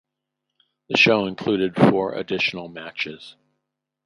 The show included four additional matches.